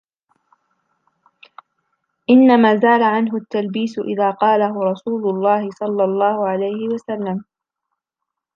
إنَّمَا زَالَ عَنْهُ التَّلْبِيسُ إذَا قَالَهُ رَسُولُ اللَّهِ صَلَّى اللَّهُ عَلَيْهِ وَسَلَّمَ